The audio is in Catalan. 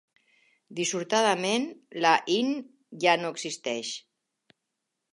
Dissortadament, la Inn ja no existeix.